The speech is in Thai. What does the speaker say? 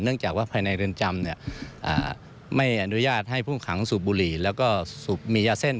จากว่าภายในเรือนจำเนี่ยไม่อนุญาตให้ผู้ขังสูบบุหรี่แล้วก็มียาเส้น